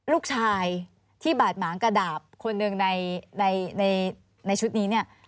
ลูกชายที่บาดหมางกระดาบคนหนึ่งในชุดนี้เนี่ย